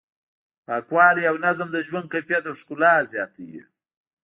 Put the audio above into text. پاکوالی او نظم د ژوند کیفیت او ښکلا زیاتوي.